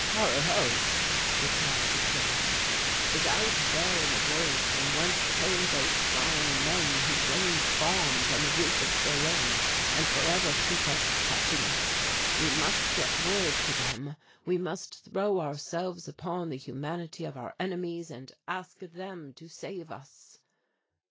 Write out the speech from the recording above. "Our hope," replied Zimmern, "is out there in the world from whence come those flying men who rain bombs on the roof of Berlin and for ever keep us patching it. We must get word to them. We must throw ourselves upon the humanity of our enemies and ask them to save us."